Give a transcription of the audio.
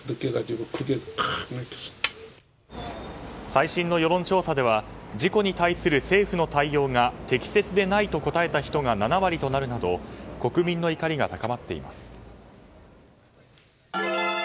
最新の世論調査では事故に対する政府の対応が適切でないと答えた人が７割となるなど国民の怒りが高まっています。